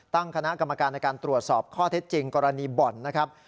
ตั้งคณะกรรมการในการตรวจสอบข้อเท็จจริงกรณีบ่อนนะครับ